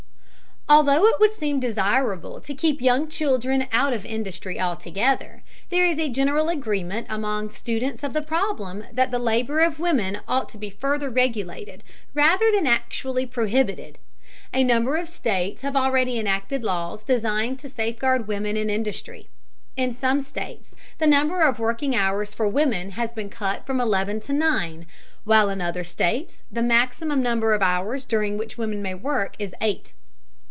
Although it would seem desirable to keep young children out of industry altogether, there is a general agreement among students of the problem that the labor of women ought to be further regulated rather than actually prohibited. A number of states have already enacted laws designed to safeguard women in industry. In some states the number of working hours for women has been cut from eleven to nine, while in other states the maximum number of hours during which women may work is eight.